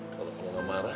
kalau kamu gak marah